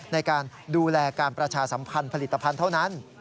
ในการดูแลการประชาสัมพันธ์ผลิตภัณฑ์เท่านั้น